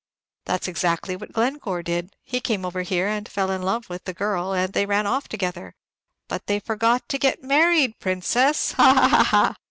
"That 's exactly what Glencore did. He came over here and fell in love with the girl, and they ran off together; but they forgot to get married, Princess. Ha ha ha!"